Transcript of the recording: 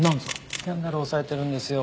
スキャンダル押さえてるんですよ。